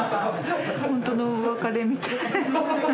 本当のお別れみたい。